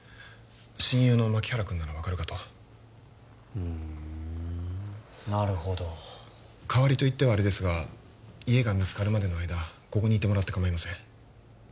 親友の牧原君なら分かるかとふんなるほど代わりと言ってはあれですが家が見つかるまでの間ここにいてもらって構いません